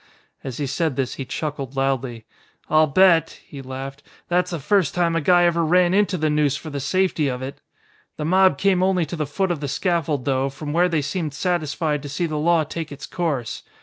As he said this he chuckled loudly. "I'll bet," he laughed, "that's the first time a guy ever ran into the noose for the safety of it! The mob came only to the foot of the scaffold though, from where they seemed satisfied to see the law take its course.